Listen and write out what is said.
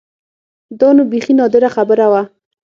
دا نو بيخي نادره خبره وه.